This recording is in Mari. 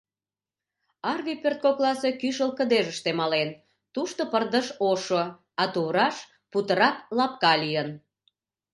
Арви пӧрткокласе кӱшыл кыдежыште мален, тушто пырдыж ошо, а тувраш путырак лапка лийын.